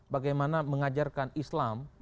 bagaimana mengajarkan islam